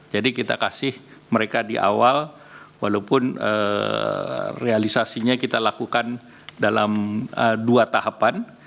jadi kita kasih mereka di awal walaupun realisasinya kita lakukan dalam dua tahapan